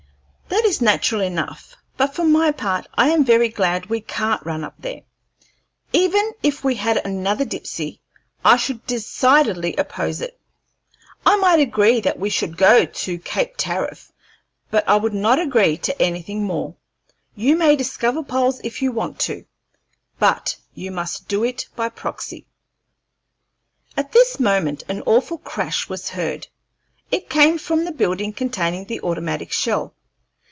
That is natural enough. But, for my part, I am very glad we can't run up there. Even if we had another Dipsey I should decidedly oppose it. I might agree that we should go to Cape Tariff, but I would not agree to anything more. You may discover poles if you want to, but you must do it by proxy." At this moment an awful crash was heard. It came from the building containing the automatic shell.